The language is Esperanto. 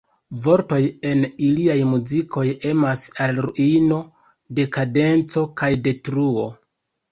Vortoj en iliaj muzikoj emas al ruino, dekadenco kaj detruo.